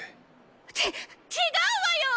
ち違うわよ！